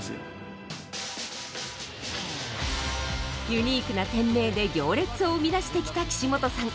ユニークな店名で行列を生み出してきた岸本さん。